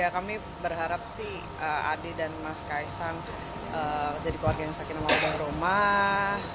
kami berharap adik dan mas ks ang jadi keluarga yang sakinah mawadah warohmah